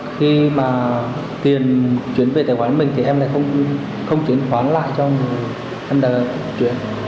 khi mà tiền chuyển về tài khoản mình thì em lại không chuyển khoản lại cho người ăn đờ chuyển